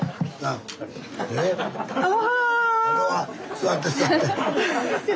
座って座って。